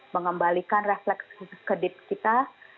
mengembalikan refleks kedip kita